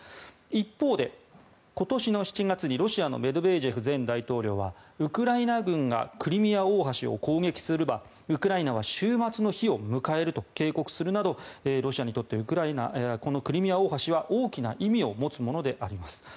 一方で、今年の７月に、ロシアのメドベージェフ前大統領はウクライナ軍がクリミア大橋を攻撃すればウクライナは終末の日を迎えると警告するなどロシアにとってクリミア大橋は大きな意味を持つものであります。